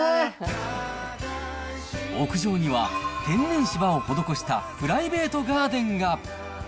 屋上には、天然芝を施したプライベートガーデンが。